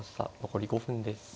残り５分です。